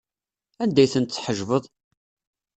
Anda ay tent-tḥejbeḍ?